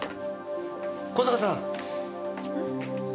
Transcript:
小坂さん。